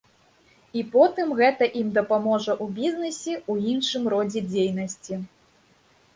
І потым гэта ім дапаможа ў бізнэсе, у іншым родзе дзейнасці.